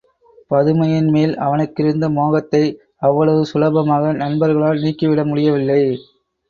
பதுமையின்மேல் அவனுக்கிருந்த மோகத்தை அவ்வளவு சுலபமாக நண்பர்களால் நீக்கிவிட முடியவில்லை.